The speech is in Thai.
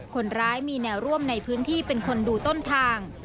คนร้ายมีแนวร่วมในพื้นที่เป็นคนดูต้นทาง